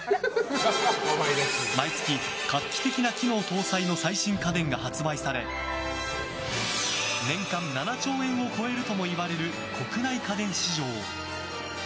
毎月、画期的な機能搭載の最新家電が発売され年間７兆円を超えるともいわれる国内家電市場。